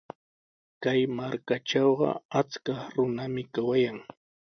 Kay markatrawqa achkaq runami kawayan.